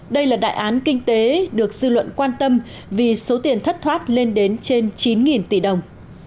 đây là đại án kinh tế được dư luận quan tâm vì số tiền thất thoát lên đến trên chín tỷ đồng